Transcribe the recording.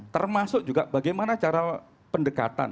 termasuk juga bagaimana cara pendekatan